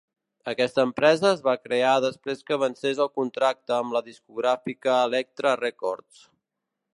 Aquesta empresa es va crear després que vencés el contracte amb la discogràfica Elektra Records.